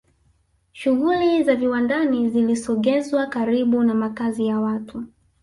shughuli za viwandani zilisogezwa karibu na makazi ya watu